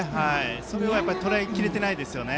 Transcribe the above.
それをとらえきれてないですね。